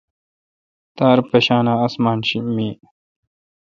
تار مشان اَاسمان می۔